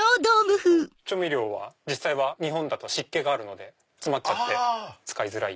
調味料は実際は日本だと湿気があるので詰まっちゃって使いづらい。